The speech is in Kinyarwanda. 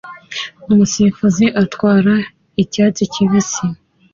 Umusifuzi atwara icyatsi kibisi